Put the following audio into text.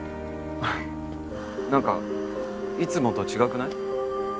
何かいつもと違くない？